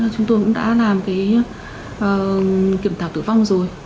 chúng tôi cũng đã làm cái kiểm thảo tử vong rồi